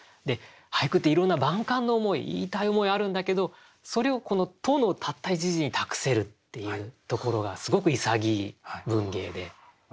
俳句っていろんな万感の思い言いたい思いあるんだけどそれをこの「と」のたった１字に託せるっていうところがすごく潔い文芸で。